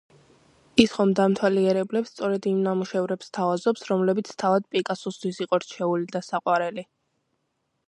ის ხომ დამთვალიერებლებს სწორედ იმ ნამუშევრებს სთავაზობს, რომლებიც თავად პიკასოსთვის იყო რჩეული და საყვარელი.